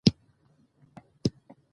سالم خواړه د ماشوم بدن قوي کوي۔